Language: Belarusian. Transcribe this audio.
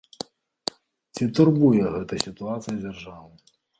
Ці турбуе гэта сітуацыя дзяржаву?